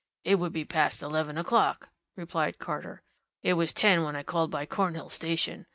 "It would be past eleven o'clock," replied Carter. "It was ten when I called by Cornhill station.